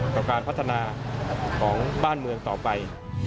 กับการพัฒนาของบ้านเมืองต่อไป